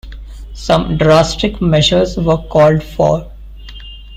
Some drastic measures were called for.